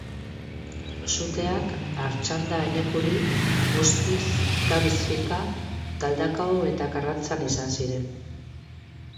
Suteak Artxanda-Enekuri, Muskiz, Gamiz-Fika, Galdakao eta Karrantzan izan ziren.